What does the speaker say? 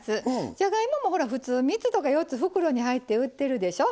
じゃがいもも普通３つとか４つ袋に入って売ってるでしょ？